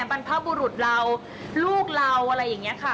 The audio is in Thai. บรรพบุรุษเราลูกเราอะไรอย่างนี้ค่ะ